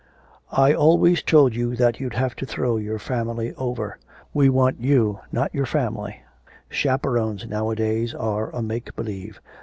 I always told you that you'd have to throw your family over. We want you, not your family. Chaperons nowadays are a make believe.